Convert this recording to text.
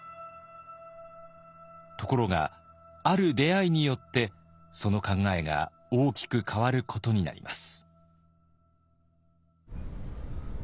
ところがある出会いによってその考えが大きく変わることになります。